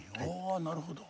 ああなるほど。